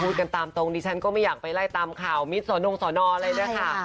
พูดกันตามตรงดิฉันก็ไม่อยากไปไล่ตามข่าวมิสสนสนเลยด้วยค่ะ